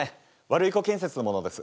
ワルイコ建設の者です。